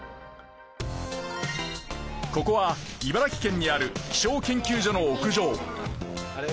ここは茨城県にある気象研究所の屋上。